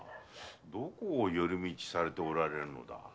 どこを寄り道されておられるのだ？